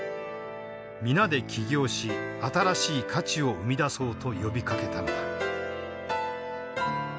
皆で起業し新しい価値を生み出そうと呼びかけたのだ。